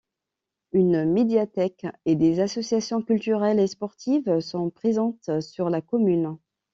Une médiathèque et des associations culturelles et sportives sont présentes sur la commune.